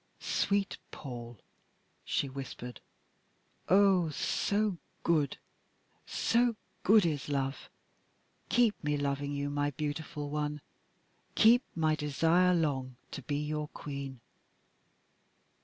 "Sweet Paul!" she whispered, "oh! so good, so good is love, keep me loving you, my beautiful one keep my desire long to be your Queen."